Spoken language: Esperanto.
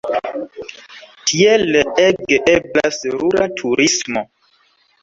Tiele ege eblas rura turismo.